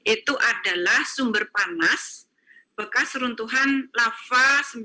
itu adalah sumber panas bekas runtuhan lava seribu sembilan ratus sembilan puluh tujuh